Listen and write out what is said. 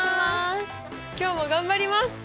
今日も頑張ります！